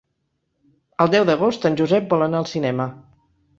El deu d'agost en Josep vol anar al cinema.